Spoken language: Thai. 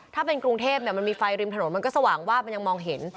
ถ้าเป็นกรุงเทพมันมีไฟริมถนนมันก็สว่างวาบมันยังมองเห็น